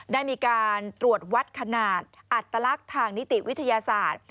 ได้มีการตรวจวัดขนาดอัตลักษณ์ทางนิติวิทยาศาสตร์